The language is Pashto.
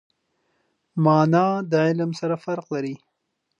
مانا د علم سره فرق لري.